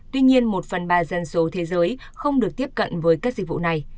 tuy nhiên một phần ba dân số thế giới không được tiếp cận với các dịch vụ này